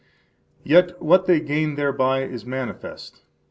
7 Yet what they gain thereby is manifest.